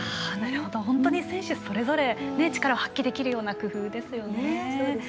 本当に選手それぞれ力を発揮できるような工夫ですね。